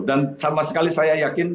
dan sama sekali saya yakin